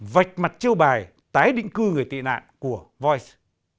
vạch mặt chiêu bài tái định cư người tị nạn của voice